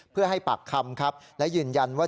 เพื่อให้ปากคำครับและยืนยันว่า